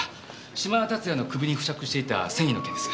嶋田龍哉の首に付着していた繊維の件です。